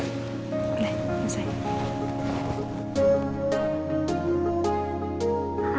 loh mas rena